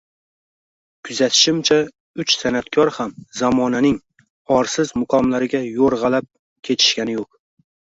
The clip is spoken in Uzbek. Kuzatishimcha, uch san’atkor ham zamonaning, orsiz muqomlariga yo‘rg‘alab ketishgani yo‘q